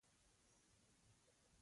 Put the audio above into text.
باد د ګل پاڼې خوځوي